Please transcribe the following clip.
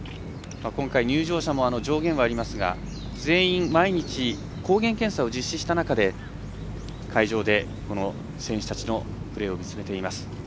今回、入場者も上限はありますが全員、毎日抗原検査を実施した中で会場で選手たちのプレーを見つめています。